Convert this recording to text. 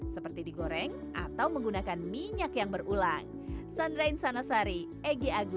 seperti digoreng atau menggunakan minyak yang berulang